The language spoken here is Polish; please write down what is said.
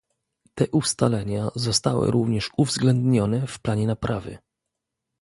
Te ustalenia zostały również uwzględnione w planie naprawy